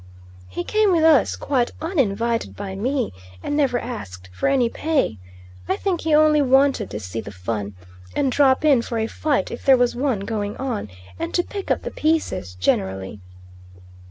He came with us, quite uninvited by me, and never asked for any pay; I think he only wanted to see the fun, and drop in for a fight if there was one going on, and to pick up the pieces generally.